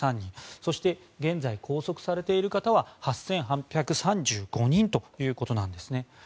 そして、現在拘束されている方は８８３５人ということなんです。